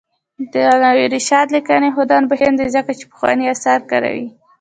د علامه رشاد لیکنی هنر مهم دی ځکه چې پخواني آثار کاروي.